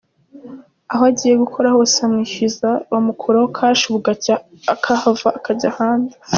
Aho agiye gukora hose bamwishyuza bamukuraho cash bugacya akahava akajya ahandi.